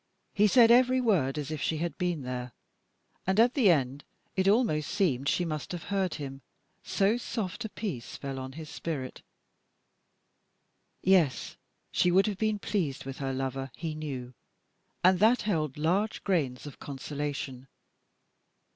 He said every word as if she had been there, and at the end it almost seemed she must have heard him, so soft a peace fell on his spirit. Yes, she would have been pleased with her lover, he knew, and that held large grains of consolation.